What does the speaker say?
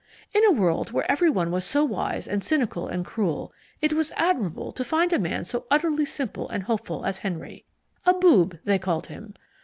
In a world where everyone was so wise and cynical and cruel, it was admirable to find a man so utterly simple and hopeful as Henry. A boob, they called him.